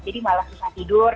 jadi malah susah tidur